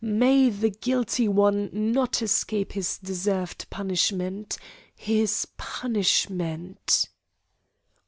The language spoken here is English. May the guilty one not escape his deserved punishment! His punishment!"